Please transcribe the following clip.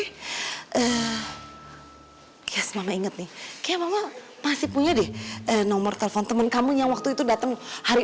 hai yes inget nih kemau masih punya deh nomor telepon temen kamu yang waktu itu datang hari